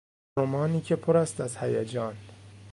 رمانی که پر است از هیجان